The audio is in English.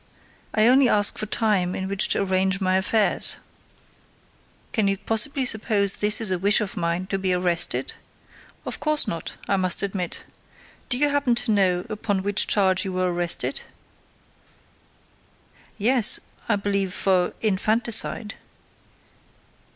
I only ask for time in which to arrange my affairs._ Can you possibly suppose this is a wish of mine to be arrested?" "Of course not," I must admit. "Do you happen to know upon what charge you were arrested?" "Yes; I believe for infanticide."